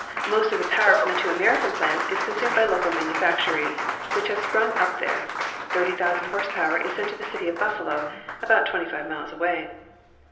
Most of the power from the two American plants is consumed by local manufactories which have sprung up there; 30,000 hp. is sent to the city of Buffalo, about 25 miles away.